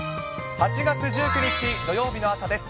８月１９日土曜日の朝です。